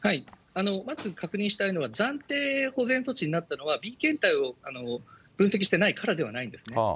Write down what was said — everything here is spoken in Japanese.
まず確認したいのは、暫定保全措置になったのは、Ｂ検体を分析してないからではないんですね。